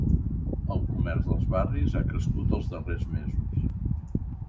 El comerç dels barris ha crescut els darrers mesos.